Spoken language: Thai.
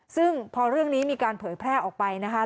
ซึ่งพอเรื่องนี้มีการเผยแพร่ออกไปนะคะ